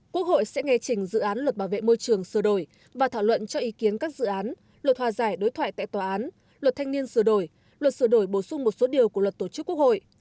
quốc hội sẽ nghe chỉnh dự án luật bảo vệ môi trường sửa đổi và thảo luận cho ý kiến các dự án luật hòa giải đối thoại tại tòa án luật thanh niên sửa đổi luật sửa đổi bổ sung một số điều của luật tổ chức quốc hội